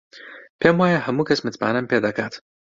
پێم وایە هەموو کەس متمانەم پێ دەکات.